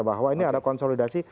bahwa ini ada konsolidasi